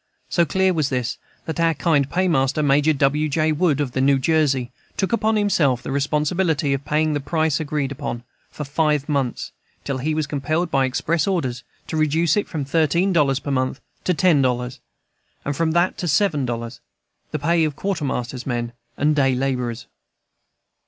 So clear was this that our kind paymaster, Major W. J. Wood, of New Jersey, took upon himself the responsibility of paying the price agreed upon, for five months, till he was compelled by express orders to reduce it from thirteen dollars per month to ten dollars, and from that to seven dollars, the pay of quartermaster's men and day laborers.